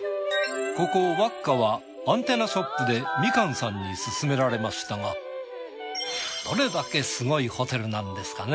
ここＷＡＫＫＡはアンテナショップでみかんさんに勧められましたがどれだけすごいホテルなんですかね？